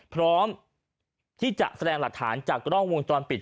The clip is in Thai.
พร้อมที่จะแสดงหลักฐานจากกล้องวงจรปิด